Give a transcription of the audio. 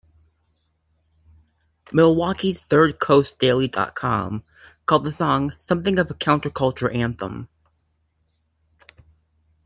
Milwaukee's "Third Coast Daily dot com" called the song "something of a counterculture anthem".